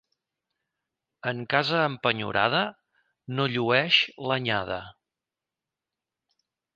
En casa empenyorada no llueix l'anyada.